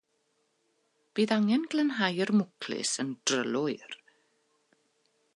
Bydd angen glanhau'r mwclis yn drylwyr.